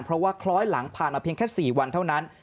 เพราะว่าคล้อยหลังผ่านมาเพียงแค่๔วันเท่านั้น